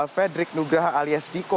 fedrik nugraha alias diko